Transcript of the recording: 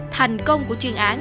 thành công của chuyên án